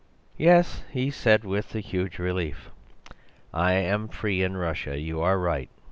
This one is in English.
"'Yes,' he said with a huge sigh, 'I am free in Russia. You are right.